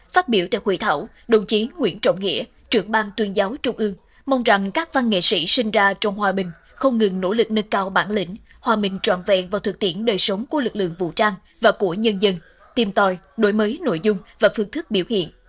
phát biểu tại hội thảo đồng chí nguyễn trọng nghĩa trưởng bang tuyên giáo trung ương mong rằng các văn nghệ sĩ sinh ra trong hòa bình không ngừng nỗ lực nâng cao bản lĩnh hòa bình trọn vẹn vào thực tiễn đời sống của lực lượng vũ trang và của nhân dân tìm tòi đổi mới nội dung và phương thức biểu hiện